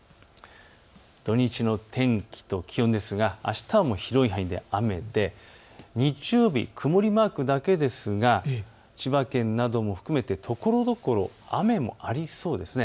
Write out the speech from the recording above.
土日の天気と気温ですがあしたは広い範囲で雨で日曜日、曇りマークだけですが千葉県なども含めてところどころ雨もありそうです。